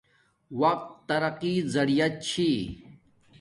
وقت ترقی زیعہ چھی